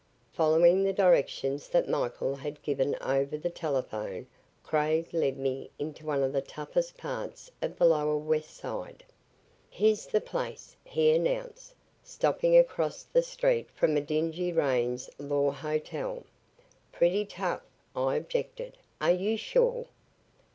Following the directions that Michael had given over the telephone Craig led me into one of the toughest parts of the lower West Side. "Here's the place," he announced, stopping across the street from a dingy Raines Law Hotel. "Pretty tough," I objected. "Are you sure?"